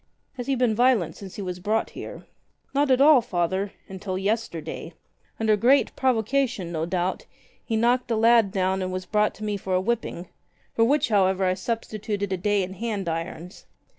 "Has he been violent since he was brought here?" "Not at all. Father — until yesterday. Under great pro vocation, no doubt, he knocked a lad down and was brought to me for a whipping — for which however I substituted a day in hand irons.